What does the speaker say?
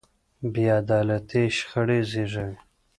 بې عدالتي شخړې زېږوي.